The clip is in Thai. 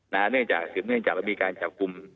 และเนื่องจากเสบเนื่องจากเรามีการจัดกรุม